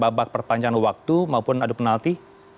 dengan babak perpanjangan waktu maupun ada penalti